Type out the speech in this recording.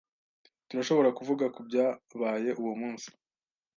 Turashobora kuvuga kubyabaye uwo munsi?